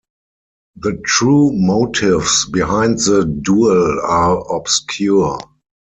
The true motives behind the duel are obscure.